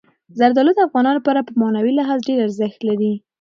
زردالو د افغانانو لپاره په معنوي لحاظ ډېر ارزښت لري.